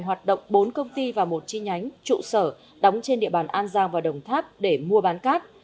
hoạt động bốn công ty và một chi nhánh trụ sở đóng trên địa bàn an giang và đồng tháp để mua bán cát